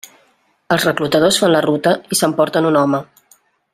Els reclutadors fan la ruta i s'emporten un home.